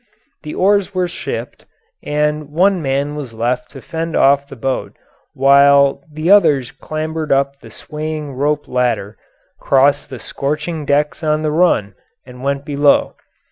The oars were shipped, and one man was left to fend off the boat while the others clambered up the swaying rope ladder, crossed the scorching decks on the run, and went below.